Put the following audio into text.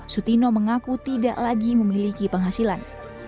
sutino mengaku tidak lagi memiliki penghasilan